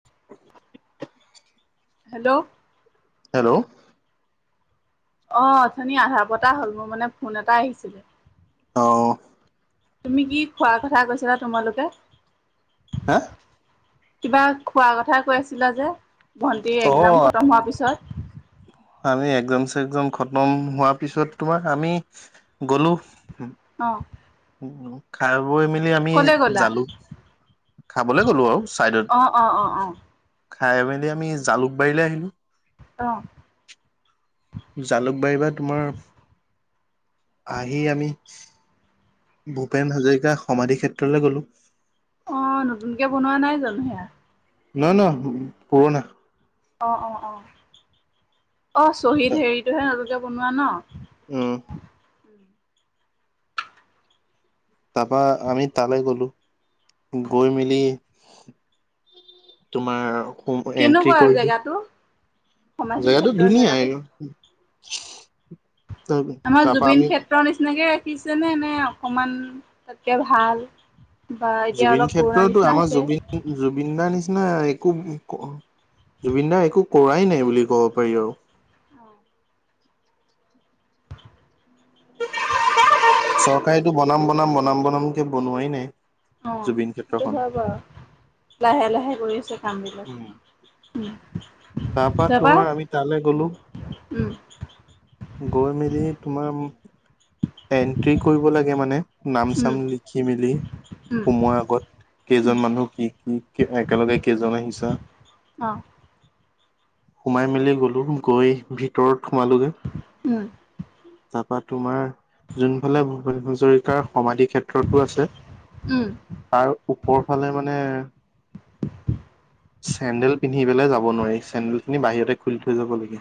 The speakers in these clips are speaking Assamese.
[inaudible] হেল্ল' হেল্ল' অ, অথনী আধা পতা হল মোৰ মানে ফোন এটা আহিছিলে। অ, তুমি কি খোৱাৰ কথা কৈছিলা। তোমালোকে হা কিবা খোৱা কথা কৈ আছিলা যে ভন্টিৰ অ এক্জাম খতম হোৱাৰ পিছত আমি একজাম খতম হোৱাৰ পিছত তোমাৰ আমি গলোঁ অ, উম খাইওঁ [unintelligible] গৈ মেলি আমি কলে গ'লা যালো খাবলৈ গ'লো আৰু চাইদত। অ অ অ খাই মেলি আমি জালুকবাৰীলৈ আহিলোঁ। অ'। জালুকবাৰীৰ বা তোমাৰ আহি আমি ভূপেন হাজৰিকা সমাধি ক্ষেত্ৰলৈ গলোঁ। অ নতুনকে বনোৱা নাই জানো সেয়া। নহয় নহয় পুৰণা। অ' অ' অ' অ', শ্বহিদ হেৰিটোহে নতুনকে বনোৱা ন। উম। তাৰপা আমি তালৈ গলোঁ গৈ মেলি তোমাৰ এন্ট্ৰি কেনেকুৱা কৰিলো জেগাটো সমাধি জেগাটো ক্ষেত্ৰৰ ধুনীয়া জেগাটো এগ [inaudible] আমাৰ জুবিন ক্ষেত্ৰৰ নিচিনাকে দিছে নে এনে অকমান তাতকে ভাল। বা এতিয়া জুবিন অলপ পুৰণা ক্ষেত্ৰতো নিচিনা আমাৰ হৈছে জুবিন জুবিন দাৰ নিচ চিনা একো জুবিন দাৰ একো কৰাই নাই বুলি ক'ব পাৰি আৰু। অ' চৰকাৰেটো বনাম বনাম বনাম বনামকে বনোৱাই নাই। অ' জুবিন সেইটো ক্ষেত্ৰখন হয় আৰু লাহে লাহে কৰি আছে কাম উম, বিলাক। তাৰ উম পৰা যাবা তোমাৰ আমি তালৈ গ'লো উম উম। গৈ মেলি তোমাৰ। এন্ট্ৰি কৰিব লাগে মানে নাম উম চাম লিখি মেলি। উম সোমোৱাৰ আগত উম কেইজন মানুহ কি কি একেলগে কেইজন আহিছা। অ'। সোমাই মেলি গলো গৈ ভিতৰত। সোমালোগে উম তাপা তোমাৰ। যোনফালে ভূৱন হাজৰিকাৰ সমাধি ক্ষেত্ৰতো আছে। উম তাৰ ওপৰ ফালে মানে। চেণ্ডেল পিন্ধি পেলাই যাব নোৱাৰি চেডেল খিনি বাহিৰতে খুলি থৈ যাব লাগে।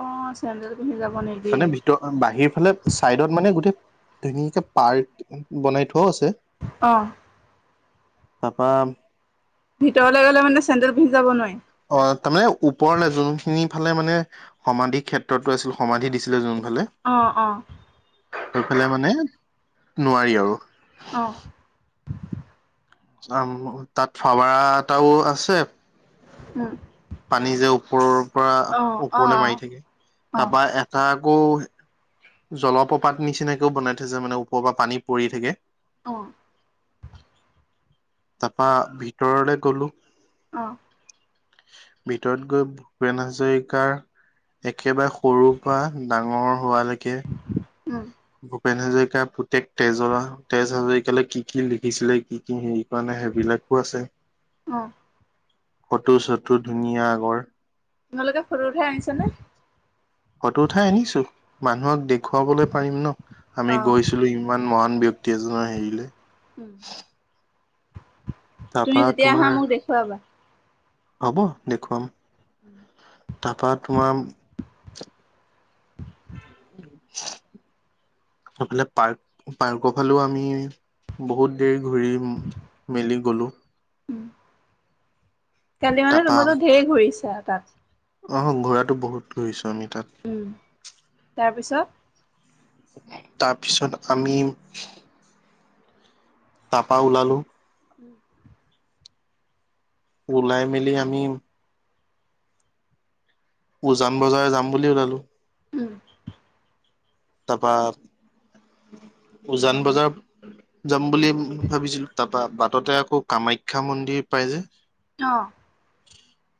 অ চেন্দেল পিন্ধি যাব মানে নিদিয়ে ভিতৰত বাহিৰ ফালে। চাইডত মানে গোটেই ধুনীয়াকে পাৰ্ক বনাই থোৱাও আছে। অ'। তাপাম ভিতৰলে গ'লে মানে চেণ্ডেল ভষ যাব নোৱাৰি। অ' তাৰ মমানে ওপৰ নে যোনখিনি ফালে মানে সমাধি ক্ষেত্ৰতো আছিল সমাধি দিছিলে যোন [unintelligible] ফালে অ অ হৈফালে মানে নোৱাৰি আৰু। আহ। উ তাত ফাৱাৰা এটাও আছে। অম। পানী যে ওপৰৰ পৰা অ ওপৰলে মাৰি থাকে অ অ তাৰপা এটা আকৌ জলপ্ৰপাত নিচিনাকেও বনাই থৈছে মানে ওপৰৰ পৰা পানী পৰি থাকে। অ' তাৰপা ভিতৰলে গলো। আহ। ভিতৰত গৈ ভূপেন হাজৰিকাৰ। একেবাৰে সৰু পৰা ডাঙৰ হোৱালৈকে। উম। ভূপেন হাজৰিকাৰ পুতেক তেজ তেজ হাজৰিকালৈ কি কি লিখিছিলে কি কি হেৰি মানে সেইবিলাকো আছে অ ফটো চটো ধুনীয়া আগৰ তোমালোকে ফটো উঠাই আনিছা নে ফটো উঠাই আনিছো মানুহক দেখ দেখুৱাবলৈ পাৰিম ন অ আমি গৈছিলো ইমান মহান ব্যক্তি এজনৰ হেৰিলে উম তাৰ তুমি পৰা যেতিয়া আহা তোমাৰ মোক দেখুৱাবা হ'ব দেখুৱাম তাৰপা তোমাৰ [unintelligible] ফালে পাৰ্ক পাৰ্কৰ ফালেও আমি বহুত দেৰি ঘূৰি মেলি গলো উম কালি মানে তাৰপা তোমালোক ঢেৰ ঘূৰিছা তাত অ ঘূৰাতো বহুত ঘূৰিছো আমি তাত উম তাৰ পিছত তাৰপিছত আমি তাপা ওলালো উম ওলাই মেলি আমি উজান বজাৰ যাম বুলি ওলালো উম তাৰপা উজান বজাৰ যাম বুলি ভাবিছিলো তাৰ পা বাটতে আকৌ কামাখ্যা মন্দিৰ পাই যে অ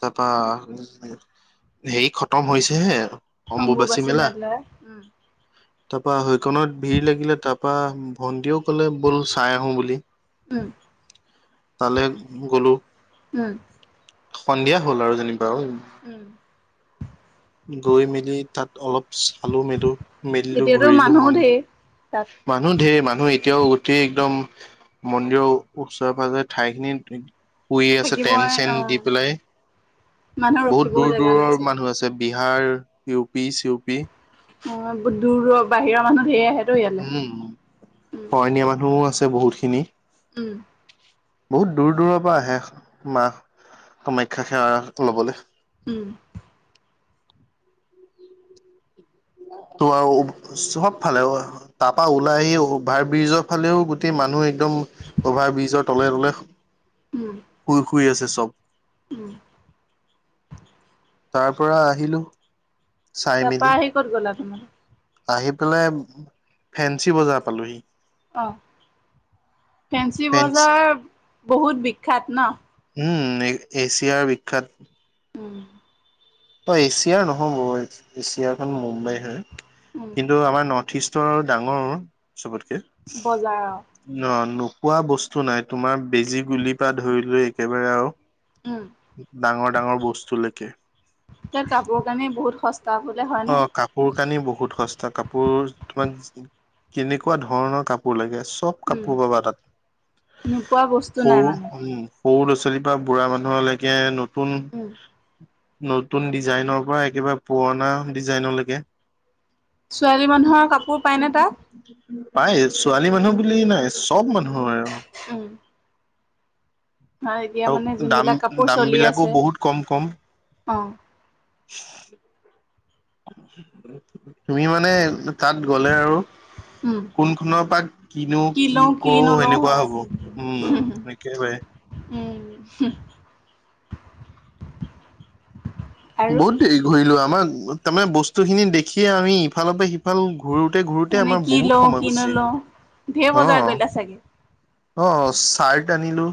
তাৰপা হেৰি খতম হৈছে হে অম্বুবাচী মেলা উম তাৰপা সৈকণত ভিৰ লাগিলে তাৰপা ভন্টিও কলে ব'ল চাই আহো বুলি উম, তালৈ গলো উম সন্ধিয়া হ'ল আৰু যেনিবা উম গৈ মেলি তাত অলপ চালো মেলো মেলিলো এতিয়াতো ঘূৰিলো মানুহো মন্দিৰ ধেৰ তাত মানুহ ধেৰ মানুহ এতিয়াও উঠি একদম মন্দিৰৰ ওচৰে পাজৰে ঠাইখিনি শুই আছে টেন্ট থাকিবই চেন দি অ' পেলাই মানুহ বহুত ৰখিবও দূৰ জেগা নাই দূৰৰ চাগে। মানুহ আছে বিহাৰ ইউ পি চিউ পি অ' বহুত দূৰ দূৰৰ বাহিৰৰ মানুহ ধেৰ আহে উম শৰণীয়া মানুহও আছে বহুত খিনি উম বহুত দূৰ দূৰৰ পৰা আহে মা কামাখ্যা সেৱা লবলে। উম। ত আৰু সব ফালে তাৰপা ওলাই আহি অভাৰ' ব্ৰিজৰ ফালেও গোটেই মা মানুহ একদম অভাৰ ব্ৰিজৰ তলে তলে উম, শুই, শুই আছে চব। উম। তাৰ পৰা আহিলোঁ। ত পা আহি ক'ত গ'লা তোমাৰ? আহি পেলাই ফেঞ্চি বজাৰ পালোহি। অ', ফেঞ্চি বজাৰ বহুত বিখ্যাত ন'। উম এছিয়াৰ বিখ্যাত। উম। অ', এছিয়াৰ নহ'ব এছিয়াখন মুম্বাই হয় উম কিন্তু আমাৰ নৰ্থ ইষ্ট ডাঙৰ চবতকে, অ', নোপোৱা বস্তু নাই। তোমাৰ উম, বেজি গুলিৰ পৰা ধৰি লৈ একেবাৰে আৰু, উম ডাঙৰ ডাঙৰ বস্তু লৈকে। তাৰ কাপোৰ কাৰণে বহুত স অ', কাপোৰ কানি বহুত সস্ত কাপোৰ তোমাক কেনেকুৱা ধৰণৰ কাপোৰ লাগে, চব উম, কাপোৰ পাবা তাত নোপোৱা বস্তু নাই সৰু, মানে উম। সৰু ল' ছোৱালীৰ পৰা বুঢ়া মানুহলৈকে নতুন উম। নতুন ডিজাইনৰ পৰা একেবাৰে পুৰণা ডিজাইনলৈকে। ছোৱালী মানুহৰ কাপোৰ পায়নে তাত? পায় ছোৱালী মানুহ বুলিই নাই চব মানুহ উম'। আৰু দাম যোনবিলাক কাপোৰ দাম চলি বিলাকো আছে বহুত কম কম। অ চো [unintelligible] তুমি মানে তাত গ'লে আৰু? উম কোনখনৰ পৰা কিনো কি লওঁ কৰো নলওঁ এনেকুৱা হয় হ'ব উম একেবাৰে। উম'। আৰু বহুত দেৰি ঘূৰিলো আমাৰ তাৰমানে বস্তু খিনি দেখিয়ে আমি ইফালৰ পৰা সিফাল ঘুৰোতে ঘুৰোতে এনে আমাৰ কি বহুত লওঁ সময় কি গুচি নলওঁ গ'ল, ঢেৰ হ। বজাৰ কৰিলা চাগে অ', চাৰ্ট আনিলো,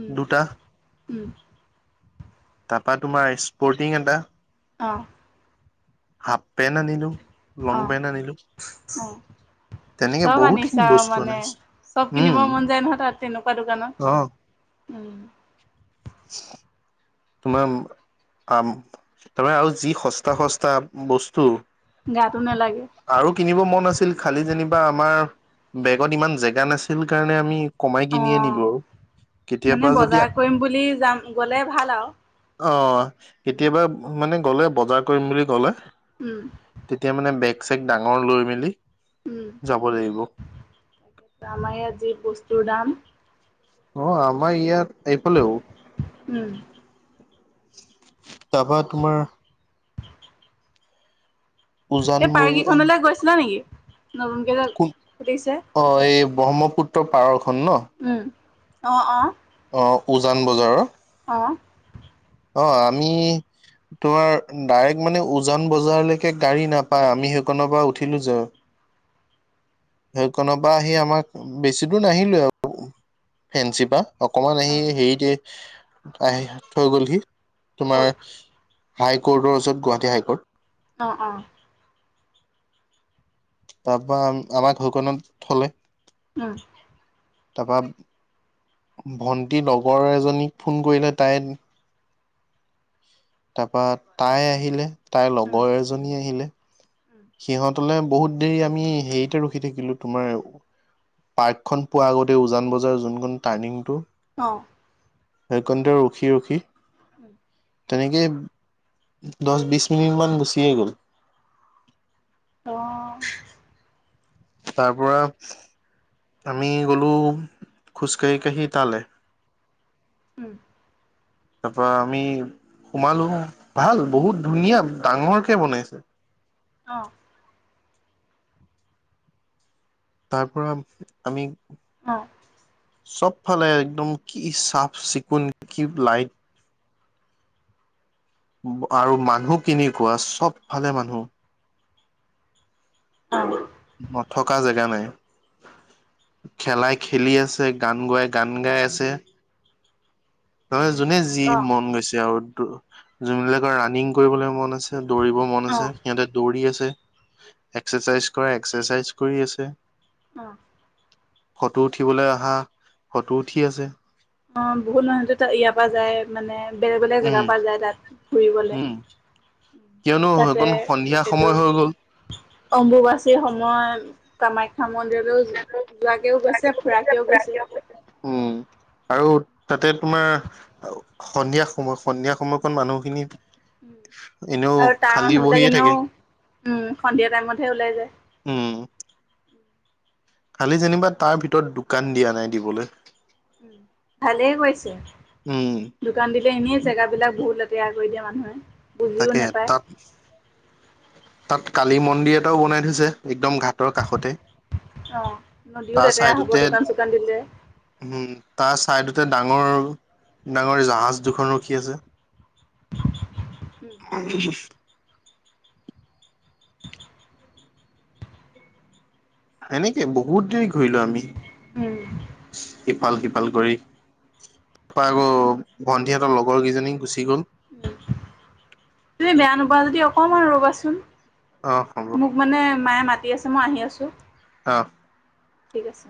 উম দুটা উম। তাৰপা তোমাৰ স্পৰ্টিং এটা। অ'। হাফ পেন্ট আনিলো, লং অ পেন্ট আনিলো। অ তেনেকে চব বহুত খিনি আনিছা আৰু বস্তু মানে আনিছে। চব কিনিব উম, মন যায়। নহ তাত তেনেকুৱা দোকানত, উম। চ [unintelligible] তোমাৰ তাৰমাৰ আৰু যি সস্তা সস্তা বস্তু, গাতো নালাগে আৰু কিনিব মন আছিল। খালি যেনিবা আমাৰ বেগত ইমান জেগা নাছিল কাৰণে আমি, কমাই অ কিনি আনিলো আৰু মানে কেতিয়াবা যদি বজাৰ কৰিম বুলি যাম গ'লে ভাল আৰু অ', উম কেতিয়াবা মানে গ'লে বজাৰ কৰিম বুলি গ'লে উম তেতিয়া মানে বেগ চেগ ডাঙৰ লৈ মেলি, উম, যাব লাগিব তাক আমাৰ ইয়াত যি বস্তুৰ দাম। অ', আমাৰ ইয়াত এইফালেও। উম। তাৰপা তোমাৰ, উজান সেই পাৰ বজাৰ কেইখনলৈ গৈছিলা নেকি? নতুন কে জে কোন খুলিছে। অ', এই ব্ৰহ্মপুত্ৰ পাৰৰখন ন? উম অ', অ'। অ', উজান বজাৰৰ। অ'। অ', আমি তোমাৰ ডাইৰেক্ট মানে উজান বজাৰলৈকে গাড়ী নাপায়, আমি সেইখনৰ পৰা উঠিলো যে। [inaudible] সেইকনপা আহি আমাক বেছি দূৰ নাহিলো আকৌ। ফেঞ্চি বা অকমান অ আহি হেৰিতে আহি থৈ গলহি। তোমাৰ ক'ত হাই কৰ্টৰ ওচৰত গুৱাহাটী হাই কৰ্ট। অ', অ'। তাৰপা আমাক সইকনত থলে। উ। তাপা ভন্টি লগৰ এজনীক ফোন কৰিলে তাই তাপা তাই আহিলে, তাইৰ উম লগৰ এজনী আহিলে, উম, সিহঁত ফালে বহুত দেৰি আমি হেৰিতে ৰখি থাকিলো তোমাৰ পাৰ্কখন পোৱা আগতে উজান বজাৰ জোনখন টাৰ্ণিংটো অ'। সেকণতে ৰখি, ৰখি উ। তেনেকেই দচ বিচ মিনিট মান গুচিয়ে গ'ল অ'। তাৰপৰা। আমি গলো, খোজকাঢ়ি কাঢ়ি তালে। উ। তাৰপৰা আমি সোমালো, ভাল বহুত ধুনীয়া ডাঙৰকে বনাইছে অ'। তাৰপৰা আমি অ'। চবফালে একদম কি চাফ চিকুণ কিব লাইট। আৰু মানুহ কেনেকোৱা, চবফালে মানুহ [inaudible] নথকা জেগা নাই। খেলাই খেলি আছে, গান গাৱাই গান গাই আছে। নহয় জোনে যি অ অ মন গৈছে আৰু দ জোনবিলাকৰ ৰাণিং কৰিবলৈ মন আছ ছে। দৌৰিব মন অ অ আছে সিহঁতে দৌৰি আছে। এক্সেচাইজ কৰা এক্সেচাইজ কৰি আছে। অ'। ফটো উঠিবলৈ অহা ফটো উঠি আছে। অ', বহুত মানুহ দ ইয়াৰ পৰা যায় মানে, বেলেগ বেলেগ জেগাৰ উম পৰা যায় তাত ফুৰিবলে। উম কিয়নো তাতে অকণ সন্ধিয়া এইটো সময় হৈ গ'ল অম্বুবাচী সময় কামাখ্যা মন্দিৰলৈও যোৱাকেও গৈছে, ফুৰাকেও গৈছে। উম আৰু তাতে তোমাৰ সন্ধিয়া সময় সন্ধিয়া সময়কণ মানুহখিনি উ, এনেও আৰু তাৰ খালী মানুহ বিলাক বহিয়ে থাকে এনেও উ, সন্ধিয়া টাইমতহে ওলাই যায়। [inaudible] উম খালি যেনিবা তাৰ ভিতৰত দোকান দিয়া নাই দিবলৈ উ, ভালে হৈছে। উম দোকান দিলে এনেই জেগা বিলাক বহুত লেত তেয়া কৰি দিয়া মানুহে। বুজিও তাকে, নোপায় তাত তাত, কালী মন্দিৰ এটাও বনাই থৈছে, একদম ঘাটৰ কাষতে অ', নদীও তাৰ লেতেৰা হ'ব চাইডতে দোকান চোকান দিলে। উম, তাৰ চাইডতে ডাঙৰ, ডাঙৰ জাহাজ দুখন ৰখি আছে। [inaudible] সেনেকে বহুত দেৰি ঘূৰিলো আমি। উম ইফাল সিফাল ভাল কৰি, পাগ' ভন্টিহঁতৰ লগৰ কেইজনী গুচি গ'ল তুমি বেয়া নোপোৱা যদি অকমান ৰ'বাচোন। আহ হ'ব। মোক মানে মায়ে মাতি আছে। মই আহি আছোঁ। অ'। ঠিক আছে।